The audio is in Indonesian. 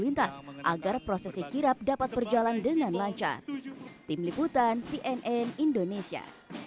lintas agar prosesi kirap dapat berjalan dengan lancar tim liputan cnn indonesia